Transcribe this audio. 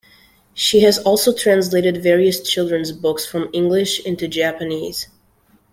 She has also translated various children's books from English into Japanese.